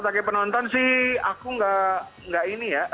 kalau pakai penonton sih aku gak ini ya